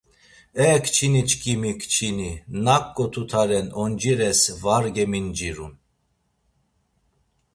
E kçini çkimi kçini, naǩo tuta ren oncires var gemincirun.